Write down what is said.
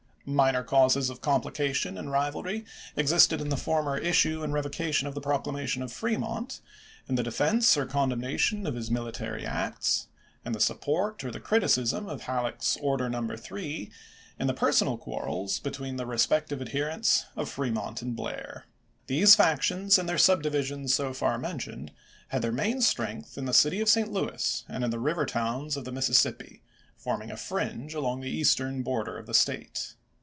Minor causes of complication and rivalry existed in the former issue and revocation of the proclamation of Fremont, in the defense or condemnation of his military acts, in the support or the criticism of Halleck's Order No. 3, in the personal quarrels between the respective adherents of Fremont and Blair. These factions and their subdivisions so far mentioned, had theii* main strength in the city of St. Louis and in the river towns on the Mississippi, forming a fringe along the eastern border of the State.